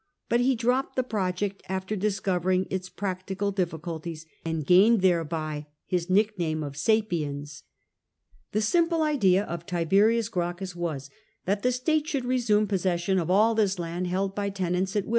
But he dropped the project after discovering its practical diflS culties, and gained thereby his nickname of Sa^oiens. The simple idea of Tiberius Gracchus was that the state sho3d re 3 me possession of all this land held by tenant?